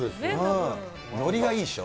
乗りがいいでしょ。